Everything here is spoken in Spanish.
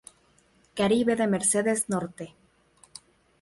Caribe de Mercedes Norte.